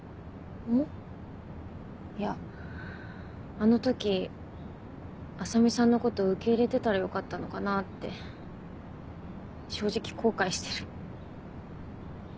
いやあの時浅海さんのこと受け入れてたらよかったのかなって正直後悔してる。